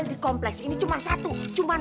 sebaiknya én langsung arthur